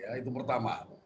ya itu pertama